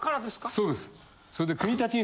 そうです。